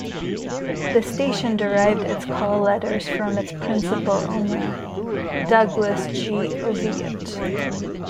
The station derived its call letters from its principal owner: Douglas G. Oviatt.